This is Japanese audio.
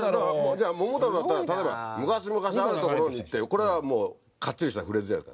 じゃあ「桃太郎」だったら例えば「昔々あるところに」ってこれはもうかっちりしたフレーズじゃないですか。